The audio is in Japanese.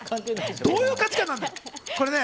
どういう価値観なんだ。